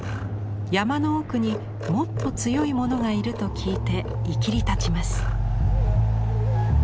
山の奥にもっと強い者がいると聞いていきりたちます。